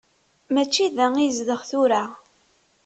Mačči da i yezdeɣ tura.